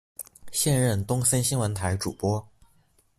现任东森新闻台主播。